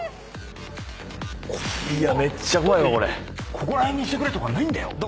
「ここら辺にしてくれ」とかないんだよ？